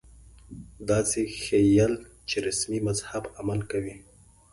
داسې ښييل چې رسمي مذهب عمل کوي